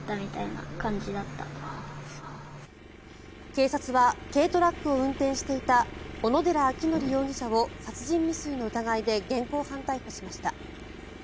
警察は軽トラックを運転していた小野寺章仁容疑者を殺人未遂の疑いで現行犯逮捕しました。